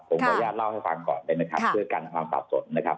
ผมขออนุญาตเล่าให้ฟังก่อนเลยนะครับเพื่อกันความสับสนนะครับ